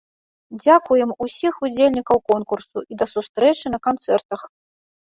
Дзякуем усіх удзельнікаў конкурсу і да сустрэчы на канцэртах!